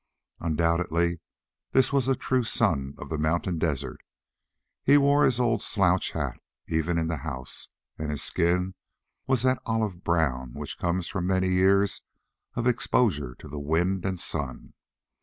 Undoubtedly this was a true son of the mountain desert. He wore his old slouch hat even in the house, and his skin was that olive brown which comes from many years of exposure to the wind and sun.